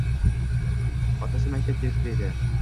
Otasi maktab direktori edi.